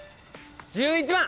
１１番。